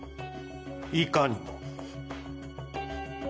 いかにも。